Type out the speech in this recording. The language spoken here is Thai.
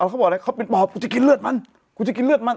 เขาบอกอะไรเขาเป็นปอบกูจะกินเลือดมันกูจะกินเลือดมัน